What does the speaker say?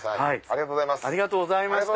ありがとうございます。